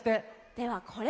ではこれ。